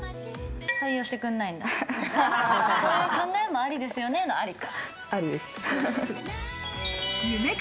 そういう考えもありですよねの、ありか。